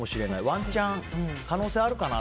ワンチャン可能性あるかな。